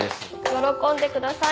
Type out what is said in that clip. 喜んでください。